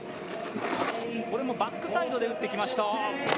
バックサイドで打ってきました。